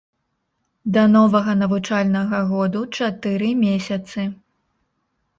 Да новага навучальнага году чатыры месяцы!